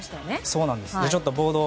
そうなんです。